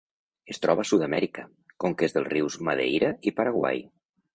Es troba a Sud-amèrica: conques dels rius Madeira i Paraguai.